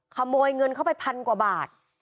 ขโมยเงินเข้าไปพันกว่าบาท